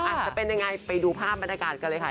จะเป็นยังไงไปดูภาพบรรยากาศกันเลยค่ะ